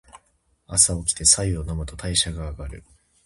朝おきて白湯を飲むと代謝が上がる。